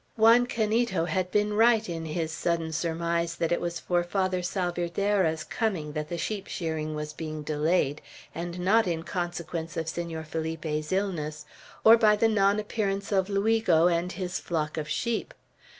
Juan Canito had been right in his sudden surmise that it was for Father Salvierderra's coming that the sheep shearing was being delayed, and not in consequence of Senor Felipe's illness, or by the non appearance of Luigo and his flock of sheep.